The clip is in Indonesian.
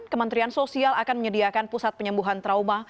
kementerian sosial akan menyediakan pusat penyembuhan trauma